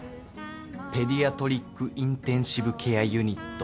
ペディアトリックインテンシブケアユニット。